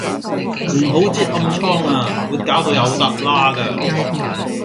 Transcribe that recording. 唔好擳暗瘡呀，會搞到有笪瘌架